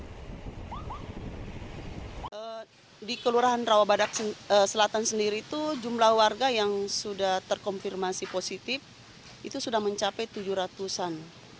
di kelurahan rawabadak selatan sendiri itu jumlah warga yang sudah terkonfirmasi positif itu sudah mencapai tujuh ratus an